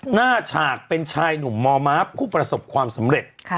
ฉากเป็นชายหนุ่มม้าผู้ประสบความสำเร็จ